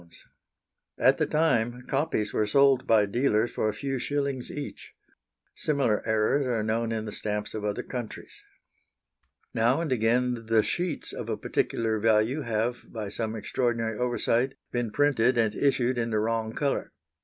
At the time, copies were sold by dealers for a few shillings each. Similar errors are known in the stamps of other countries. Now and again the sheets of a particular value have, by some extraordinary oversight, been printed and issued in the wrong colour.